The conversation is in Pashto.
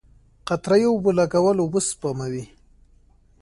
قطره یي اوبولګول اوبه سپموي.